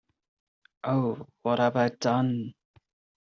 Oh, what have I done?